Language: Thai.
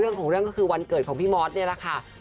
คือเอาพูดตรงแบบแรกอ่ะบางคนเขาถือไงเพราะเห็นเป็นข้างขาวดำอ่ะ